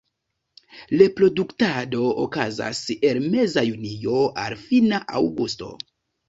Reproduktado okazas el meza junio al fina aŭgusto.